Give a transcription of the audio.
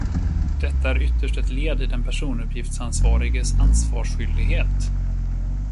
Detta är ytterst ett led i den personuppgiftsansvariges ansvarsskyldighet.